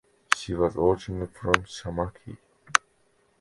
She was originally from Shamakhi.